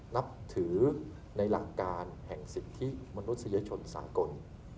นับถือในหลักการแห่งสิทธิมนุษยชนสากล